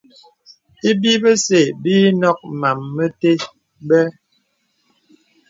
Ibi bəsə̀ bə ǐ nɔk màm mətè bə̀.